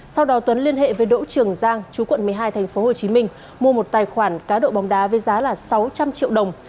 sau đó tuấn liên hệ với đỗ trường giang chú quận một mươi hai tp hcm mua một tài khoản cá độ bóng đá với giá sáu trăm linh triệu đồng